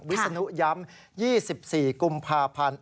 วิศนุย้ำ๒๔กุมภาพันธ์